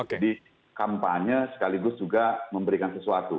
jadi kampanye sekaligus juga memberikan sesuatu